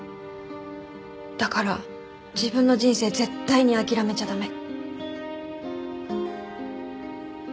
だから自分の人生絶対に諦めちゃ駄目。